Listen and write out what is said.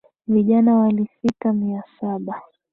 Vijana walifika mia saba